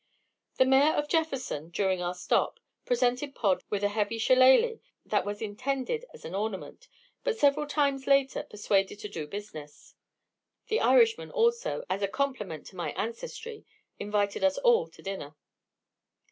The Mayor of Jefferson, during our stop, presented Pod with a heavy shillalah that was intended as an ornament, but several times later, persuaded to do business. The Irishman, also, as a compliment to my ancestry, invited us all to dinner.